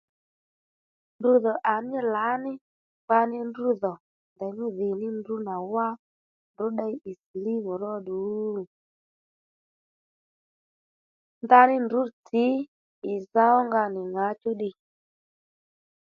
Ddudhò à ní lǎní kpaní ndrǔ dhò ndèymí dhì ní ndrǔ nà wá ndrǔ ddéy ì silímù róddù? Ndaní ndrǔ tsǐ ì za ónga nì ŋǎchú ddiy